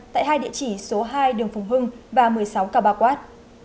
nghệ chỉ số hai đường phùng hưng và một mươi sáu cà ba quát